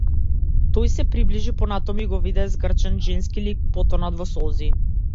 Тој се приближи понатаму и виде згрчен женски лик, потонат во солзи.